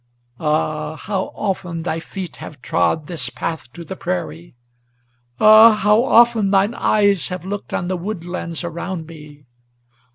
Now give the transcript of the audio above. Ah! how often thy feet have trod this path to the prairie! Ah! how often thine eyes have looked on the woodlands around me!